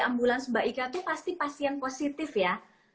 ambulans mbak ika itu pasti pasien positif ya